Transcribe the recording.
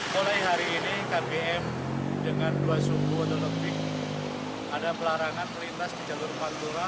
mulai hari ini kpm dengan dua sumbu ototopik ada pelarangan melintas di jalur pantura